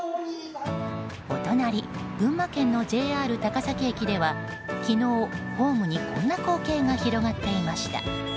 お隣、群馬県のＪＲ高崎駅では昨日、ホームにこんな光景が広がっていました。